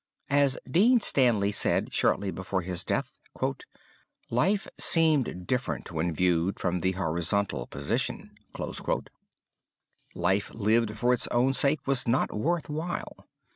As Dean Stanley said shortly before his death, "life seemed different when viewed from the horizontal position." Life lived for its own sake was not worth while.